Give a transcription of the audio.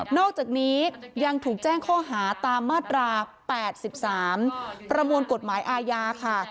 อกจากนี้ยังถูกแจ้งข้อหาตามมาตรา๘๓ประมวลกฎหมายอาญาค่ะ